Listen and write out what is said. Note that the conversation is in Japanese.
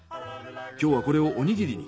今日はこれをおにぎりに。